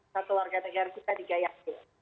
satu warga negara kita digayakkan